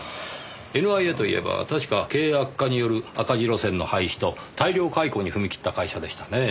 ＮＩＡといえば確か経営悪化による赤字路線の廃止と大量解雇に踏み切った会社でしたねぇ。